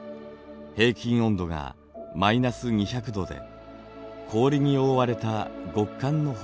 平均温度が−２００度で氷に覆われた極寒の星です。